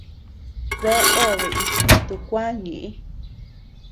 Bea obe itintu kuä ñeʼë.